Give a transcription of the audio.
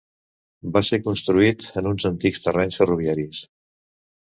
Va ser construït en uns antics terrenys ferroviaris.